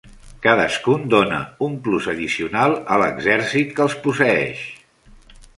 Cadascun dóna un plus addicional a l'exèrcit que els posseeix.